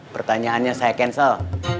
pertanyaannya saya cancel